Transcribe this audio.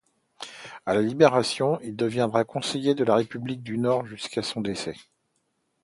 À la Libération, il deviendra conseiller de la République du Nord jusqu'à son décès.